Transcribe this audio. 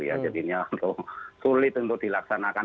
jadi ini sulit untuk dilaksanakan